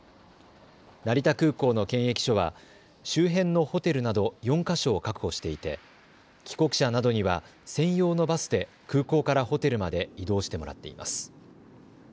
成田空港の検疫所は周辺のホテルなど４か所を確保していて帰国者などには専用のバスで空港からホテルまで移動してもらっています。